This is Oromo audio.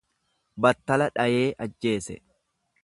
Battala dhayee ajjeese.